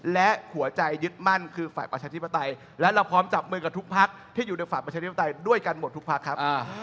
และหัวใจยึดมั่นคือฝ่ายประชาธิปไตยและเราพร้อมจับมือกับทุกพักที่อยู่ในฝั่งประชาธิปไตยด้วยกันหมดทุกพักครับ